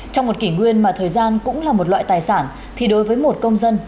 trong một kỷ nguyên mà thời gian cũng là một loại tài sản thì đối với một công dân